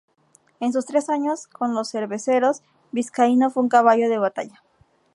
En sus tres años con los Cerveceros, Vizcaíno fue un caballo de batalla.